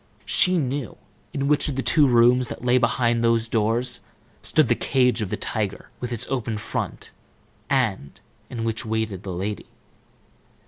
She knew in which of the two rooms, that lay behind those doors, stood the cage of the tiger, with its open front, and in which waited the lady.